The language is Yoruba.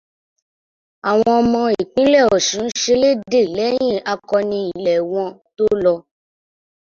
Awọn ọmọ ìpínlẹ̀ Ọ̀ṣun ń ṣelédè lẹ́yìn akọni ilẹ̀ wọn tó lọ.